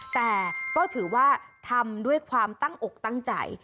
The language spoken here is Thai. แต่ก็ถือว่าทำด้วยความตั้งอกตั้งใจ